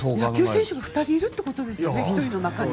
野球選手が２人いるということですよね。